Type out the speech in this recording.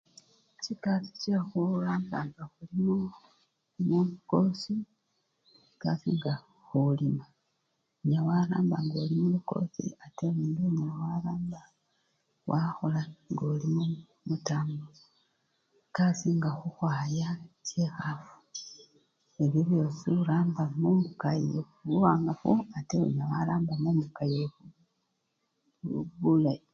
Chikasii chekhuramba nga khuli mu! mulukosi, ekasii nga khulima newaramba nga olimulukosi, ate lundi onyala waramba wakhola ngoli mumutambo ekasii nga khukhwaya chikhafu, ebyo byosi oramba mumbuka yee mubuwangafu ate onyala waramba mumbuka yebulayi. .